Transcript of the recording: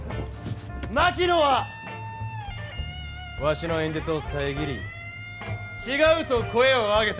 槙野はわしの演説を遮り「違う」と声を上げた。